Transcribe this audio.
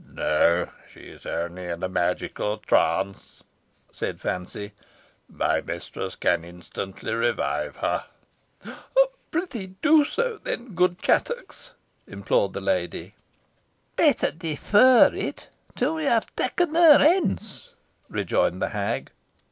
"No; she is only in a magical trance," said Fancy; "my mistress can instantly revive her." "Prithee do so, then, good Chattox," implored the lady. "Better defer it till we have taken her hence," rejoined the hag.